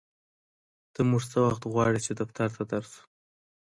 ته مونږ څه وخت غواړې چې دفتر ته در شو